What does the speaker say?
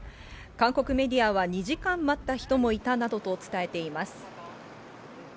韓国メディアは、２時間待った人もいたなどと伝えています。